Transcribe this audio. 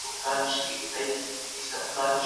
خواړه د بدن حق دي.